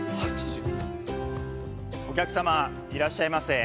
お客様いらっしゃいませ。